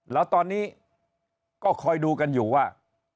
แล้วตอนนี้ก็คอยดูกันอยู่ว่า